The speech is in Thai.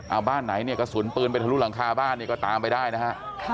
เอาบ้านไหนเนี่ยกระสุนปืนไปทะลุหลังคาบ้านเนี่ยก็ตามไปได้นะฮะ